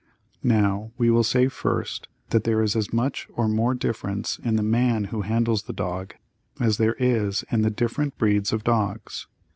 Now, we will say first that there is as much or more difference in the man who handles the dog as there is in the different breeds of dogs.